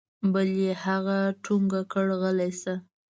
بل يې هغه ټونګه کړ غلى سه.